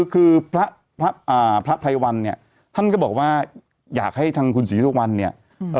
คือพระไพรวัลเนี่ยท่านก็บอกว่าอยากให้ทางคุณศรีสุวรรณเนี่ย